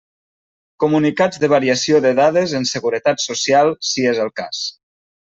Comunicats de variació de dades en Seguretat Social, si és el cas.